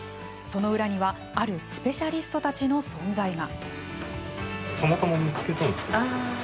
その裏にはあるスペシャリストたちの存在が。